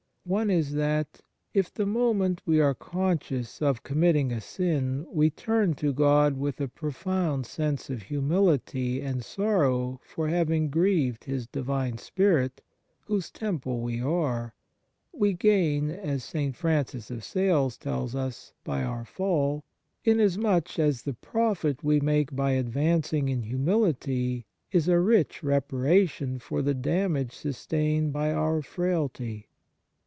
One is that if, the moment we are conscious of committing a sin, we turn to God with a profound sense of humility and sorrow for having " grieved " His Divine Spirit, whose temple we are, we gain, as St. Francis of Sales tells us, by our fall; " inasmuch as the profit we make by advancing in humility is a rich reparation for the damage sustained by our frailty."